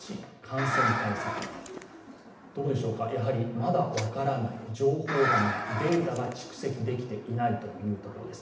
まだ分からない、情報がない、データが蓄積できていないというところです。